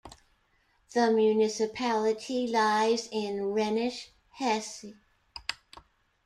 The municipality lies in Rhenish Hesse.